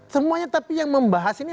semuanya tapi yang membahas ini